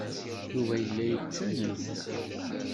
Yuba yella yettanez.